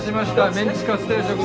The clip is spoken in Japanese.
メンチカツ定食です。